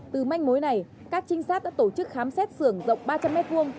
từ manh mối này các trinh sát đã tổ chức khám xét sưởng rộng ba trăm linh m hai